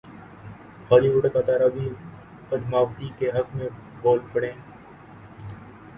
Holi would اداکارہ بھی پدماوتی کے حق میں بول پڑیں